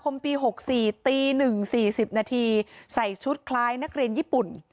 คมปีหกสี่ตีหนึ่งสี่สิบนาทีใส่ชุดคล้ายนักเรียนญี่ปุ่น